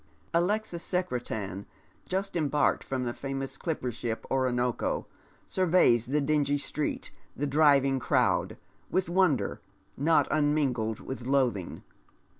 Alexis Secretan, just disembarked from the famous clipper ship OronoJco, surveys the dingy street, the driving crowd, with wonder, not unmingled with loathing.